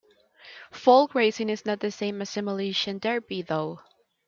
Folk racing is not the same as demolition derby, though.